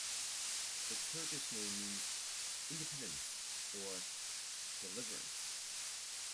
The Turkish name means "independence" or "deliverance".